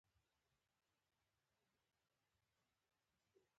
دویم لیدلوری سیاسي او ټولنیز دی.